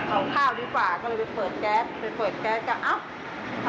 ก็เอาข้าวดีกว่าก็เลยไปเปิดแก๊ส